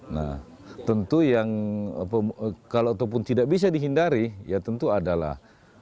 nah tentu yang kalau ataupun tidak bisa dihindari ya tentu adalah